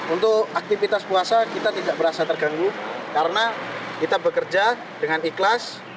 untuk aktivitas puasa kita tidak merasa terganggu karena kita bekerja dengan ikhlas